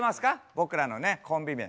僕らのねコンビ名。